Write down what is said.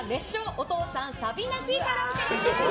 お父さんサビ泣きカラオケです。